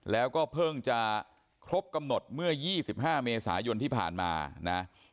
แล้วก็เพิ่งจะครบกำหนดเมื่อ๒๕เมษายนที่ผ่านมานะ